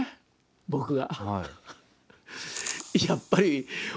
僕が。